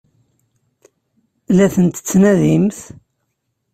La ten-tettnadimt?